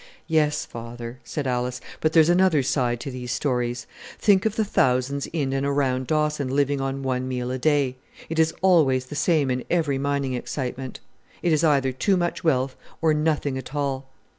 "Yes, father," said Alice, "but there's another side to these stories. Think of the thousands in and around Dawson living on one meal a day; it is always the same in every mining excitement. It is either too much wealth, or nothing at all!"